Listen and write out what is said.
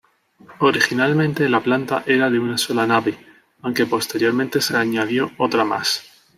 Originalmente, la planta era de una sola nave, aunque posteriormente se añadió otra más.